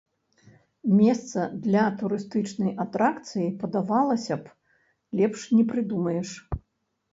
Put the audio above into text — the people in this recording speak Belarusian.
Месца для турыстычнай атракцыі, падавалася б, лепш не прыдумаеш.